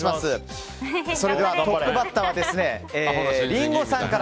それでは、トップバッターはリンゴさんから。